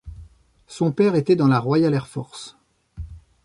Son père était dans la Royal Air Force.